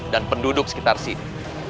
dan penduduk sekitar sini